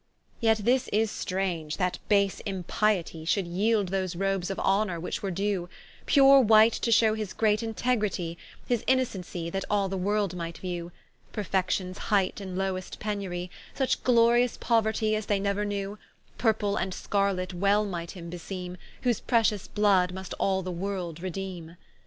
Yet this is strange, that base Impietie Should yeeld those robes of honour which were due; Pure white, to shew his great Integritie, His Innocency, that all the world might view, Perfections height in lowest penurie, Such glorious pouerty as they neuer knew: Purple and Scarlet well might him beseeme, Whose pretious blood must all the world redeeme.